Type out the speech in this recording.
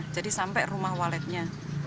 jadi sampai rumah waletnya